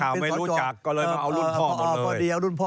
นักข่าวไม่รู้จักก็เลยเอารุ่นพ่อ